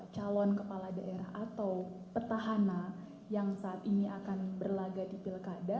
calon kepala daerah atau petahana yang saat ini akan berlaga di pilkada